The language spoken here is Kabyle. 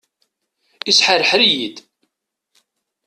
Isḥerḥer-iyi-d.